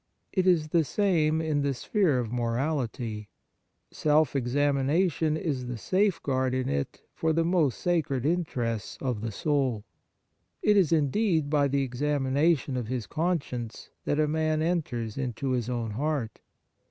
It is the same in the sphere of morality. Self examination is the safeguard in it for the most sacred interests of the soul. It is, indeed, by the examination of his conscience that a man enters into his own heart.